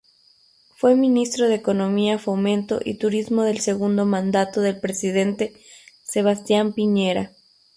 Fue ministro de Economía, Fomento y Turismo del segundo mandato del presidente Sebastián Piñera.